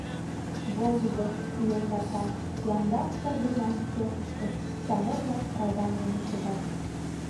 Волгыдо, йоҥгата, янда пырдыжан цехлаште станок-влак радам дене шогат.